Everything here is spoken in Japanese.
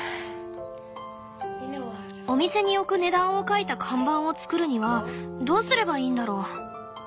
お店に置く値段を書いた看板を作るにはどうすればいいんだろう？